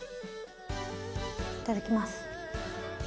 いただきます。